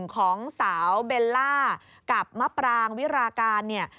ของสาวเบลล่ากับมะปรางวิราการเนี่ย